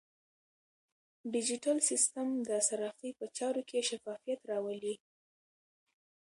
ډیجیټل سیستم د صرافۍ په چارو کې شفافیت راولي.